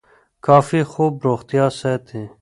کافي خوب روغتیا ساتي.